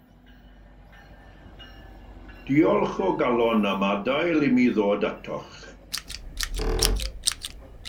Diolch o galon am adael i mi ddod atoch.